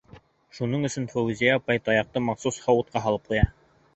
Шуның өсөн Фәүзиә апай таяҡты махсус һауытҡа һалып ҡуя.